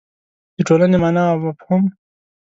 د ټولنې مانا او مفهوم